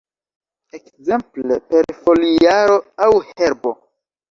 Ekzemple per foliaro aŭ herbo.